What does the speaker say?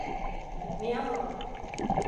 Miyav!